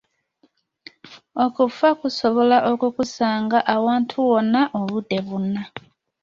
Okufa kusobola okukusanga awantu wonna obudde bwonna.